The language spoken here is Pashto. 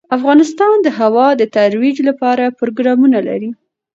افغانستان د هوا د ترویج لپاره پروګرامونه لري.